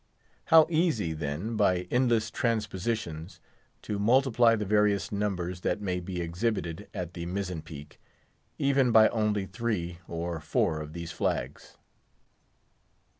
How easy, then, by endless transpositions, to multiply the various numbers that may be exhibited at the mizzen peak, even by only three or four of these flags.